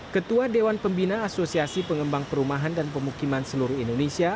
ketua dewan pembina asosiasi pengembang perumahan dan pemukiman seluruh indonesia